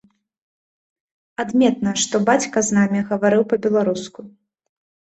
Адметна, што бацька з намі гаварыў па-беларуску.